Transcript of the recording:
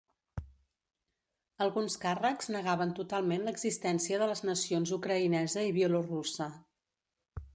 Alguns càrrecs negaven totalment l'existència de les nacions ucraïnesa i bielorussa.